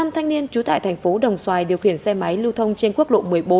năm thanh niên trú tại thành phố đồng xoài điều khiển xe máy lưu thông trên quốc lộ một mươi bốn